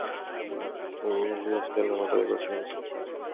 বৃহস্পতিবার চীনের রাজধানী বেইজিংয়ের একটি মসজিদের নামাজ আদায় করছেন একজন মুসলমান।